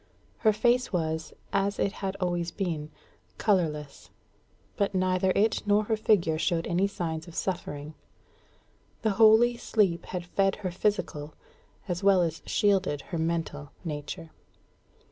Her face was, as it had always been, colourless; but neither it nor her figure showed any signs of suffering. The holy sleep had fed her physical as well as shielded her mental nature.